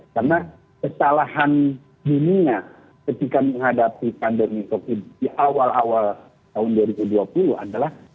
karena kesalahan dunia ketika menghadapi pandemi covid sembilan belas di awal awal tahun dua ribu dua puluh adalah